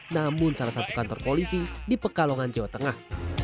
namun salah satu kantor polisi di pekalongan jawa tengah